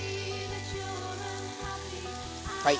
はい。